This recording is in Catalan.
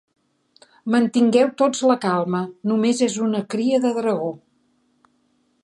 Mantingueu tots la calma, només és una cria de dragó.